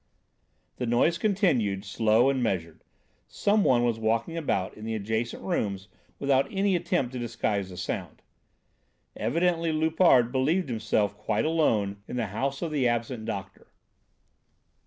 The noise continued, slow and measured; some one was walking about in the adjacent rooms without any attempt to disguise the sound. Evidently Loupart believed himself quite alone in the house of the absent doctor.